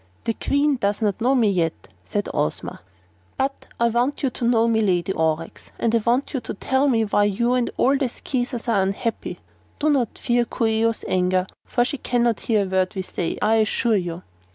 "The Queen does not know me yet," said Ozma, "but I want you to know me, Lady Aurex, and I want you to tell me why you, and all the Skeezers, are unhappy. Do not fear Coo ee oh's anger, for she cannot hear a word we say, I assure you."